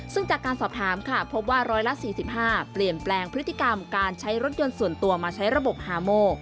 ซึ่งจากการสอบถามค่ะพบว่า๑๔๕เปลี่ยนแปลงพฤติกรรมการใช้รถยนต์ส่วนตัวมาใช้ระบบฮาโม